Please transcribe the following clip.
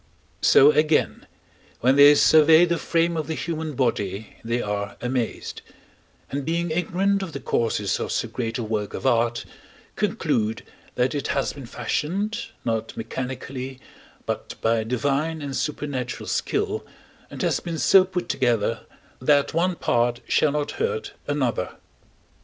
So, again, when they survey the frame of the human body, they are amazed; and being ignorant of the causes of so great a work of art, conclude that it has been fashioned, not mechanically, but by divine and supernatural skill, and has been so put together that one part shall not hurt another.